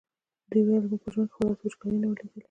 دوی ویل زموږ په ژوند خو داسې وچکالي نه وه لیدلې.